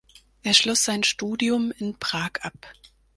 Er schloss sein Studium in Prag ab.